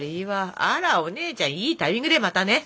あらお姉ちゃんいいタイミングでまたね。